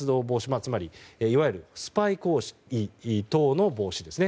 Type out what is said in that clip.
つまり、いわゆるスパイ行為等の防止ですね。